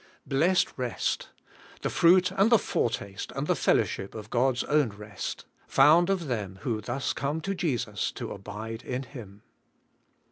Blessed rest! the fruit and the foretaste and the fellowship of God's own rest! found of them who thus come to Jesus to abide in Him.